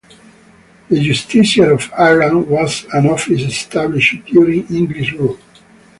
The Justiciar of Ireland was an office established during English rule.